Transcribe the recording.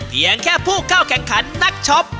เพียงแค่ผู้เข้าแข่งขันนักช็อป